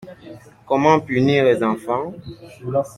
Comment punir les enfants?